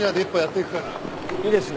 いいですね。